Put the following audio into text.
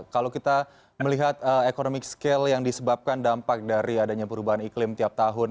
kalau kita melihat economic scale yang disebabkan dampak dari adanya perubahan iklim tiap tahun